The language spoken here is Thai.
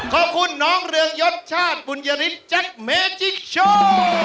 ขอบคุณน้องเรืองยศชาติบุญยฤทธิแจ็คเมจิ๊กโชว์